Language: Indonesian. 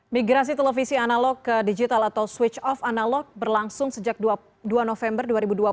migrasi televisi analog ke digital atau switch off analog berlangsung sejak dua november dua ribu dua puluh